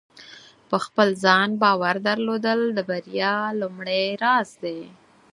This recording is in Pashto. په خپل ځان باور درلودل د بریا لومړۍ راز دی.